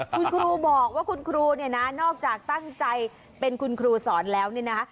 คุณครูบอกว่าคุณครูเนี่ยนะนอกจากตั้งใจเป็นคุณครูสอนแล้วเนี่ยนะคะ